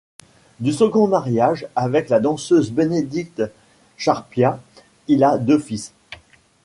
Du second mariage avec la danseuse Bénédicte Charpiat il a deux fils.